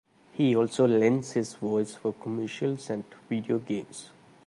He also lends his voice for commercials and video games.